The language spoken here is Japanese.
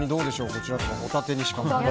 こちらとかホタテにしか。